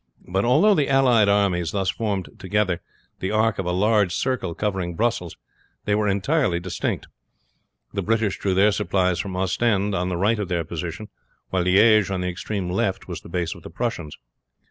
But although the allied armies thus formed together the arc of a large circle covering Brussels, they were entirely distinct. The British drew their supplies from Ostend, on the right of their position, while Liege on the extreme left was the base of the Prussians.